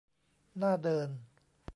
น่าเดิน